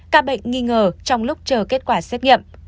ca bệnh nghi ngờ trong lúc chờ kết quả xét nghiệm